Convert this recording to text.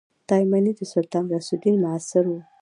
تایمنى د سلطان غیاث الدین معاصر وو.